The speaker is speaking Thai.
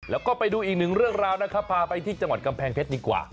แล้วก็ไปดูอีกหนึ่งเรื่องราวนะครับพาไปที่จังหวัดกำแพงเพชรดีกว่า